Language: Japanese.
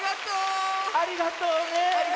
ありがとうね。